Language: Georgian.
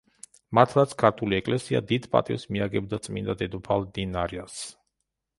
მართლაც, ქართული ეკლესია დიდ პატივს მიაგებდა წმინდა დედოფალ დინარას.